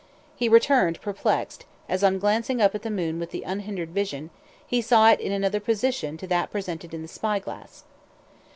He returned, perplexed, as, on glancing up at the moon with unhindered vision, he saw it in another position to that presented in the spy glass.